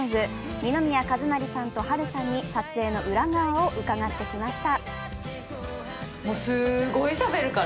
二宮和也さんと波瑠さんに撮影の裏側を伺ってきました。